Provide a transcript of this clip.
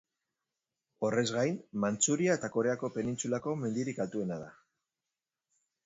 Horrez gain, Mantxuria eta Koreako penintsulako mendirik altuena da.